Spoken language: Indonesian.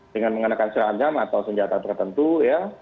dengan mengenakan seragam atau senjata tertentu ya